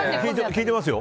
聞いてますよ。